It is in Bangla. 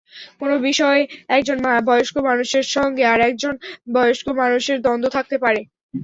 কোনো বিষয়ে একজন বয়স্ক মানুষের সঙ্গে আরেকজন বয়স্ক মানুষের দ্বন্দ্ব থাকতে পারে।